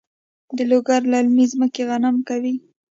د لوګر للمي ځمکې غنم کوي؟